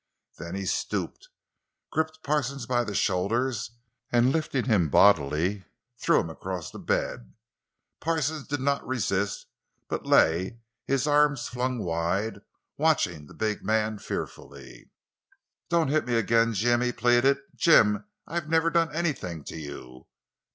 Then he stooped, gripped Parsons by the shoulders, and, lifting him bodily, threw him across the bed. Parsons did not resist, but lay, his arms flung wide, watching the big man fearfully. "Don't hit me again, Jim!" he pleaded. "Jim, I've never done anything to you!"